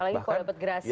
lagi kalau dapat gerasi ya